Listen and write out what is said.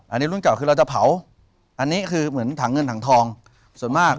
อันนี้รุ่นเก่าคือเราจะเผาอันนี้คือเหมือนถังเงินถังทองส่วนมาก